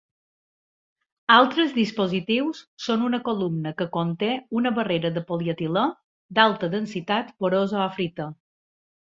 Altres dispositius són una columna que conté una barrera de polietilè d'alta densitat porosa o frita.